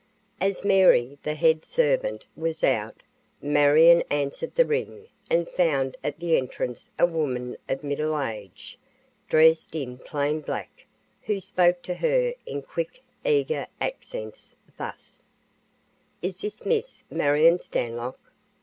As Mary, the head servant, was out, Marion answered the ring and found at the entrance a woman of middle age, dressed in plain black, who spoke to her, in quick, eager accents, thus: "Is this Miss Marion Stanlock?"